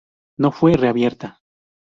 No fue reabierta.